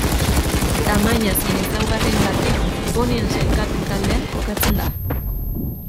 Tamaina zein ezaugarriengatik ponien sailkapen taldean kokatzen da.